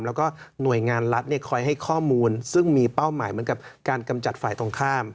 แล้วก็หน่วยงานรัฐคอยให้ข้อมูลซึ่งมีเป้าหมายเหมือนกับการกำจัดฝ่ายตรงข้าม